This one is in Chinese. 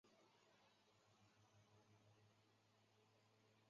现在沃伊达奇城堡是匈牙利农业博物馆的所在地。